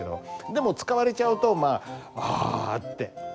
でも使われちゃうとまあ「あ」って。